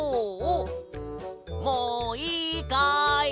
もういいかい？